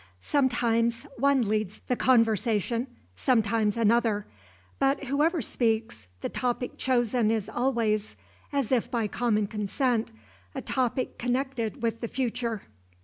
Sometimes one leads the conversation, sometimes another; but whoever speaks, the topic chosen is always, as if by common consent, a topic connected with the future.